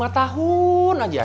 lima tahun aja